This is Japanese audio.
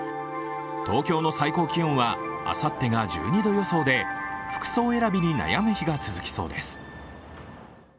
東京の最高気温はあさってが１２度予想で服装選びに悩む日が続きそうです。